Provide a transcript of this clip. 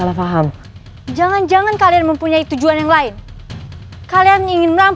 dan aku juga benar benar berdoa itu meng meat